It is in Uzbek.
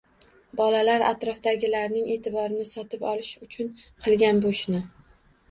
Bolalar “atrofdagilarning” e’tiborini sotib olish uchun qilgan bu ishni.